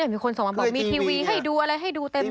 มีคนส่งมาบอกมีทีวีให้ดูอะไรให้ดูเต็ม